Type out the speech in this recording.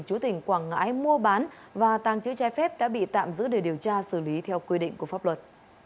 chú tỉnh quảng ngãi mua bán và tàng chữ trái phép đã bị tạm giữ để điều tra xử lý theo quy định của pháp luật